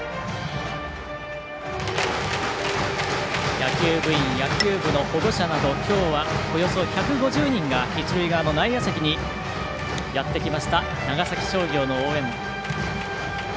野球部員、野球部の保護者など今日はおよそ１５０人が一塁側の内野席にやってきました長崎商業の応援。